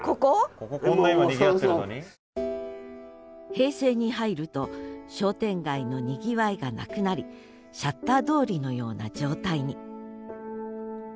平成に入ると商店街のにぎわいがなくなりシャッター通りのような状態に。